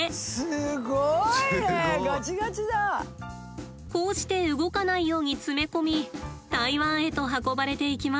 すごい！こうして動かないように詰め込み台湾へと運ばれていきます。